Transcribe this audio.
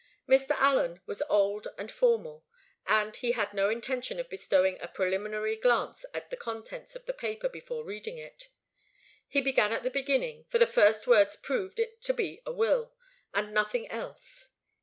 Mr. Allen was old and formal, and he had no intention of bestowing a preliminary glance at the contents of the paper before reading it. He began at the beginning, for the first words proved it to be a will, and nothing else.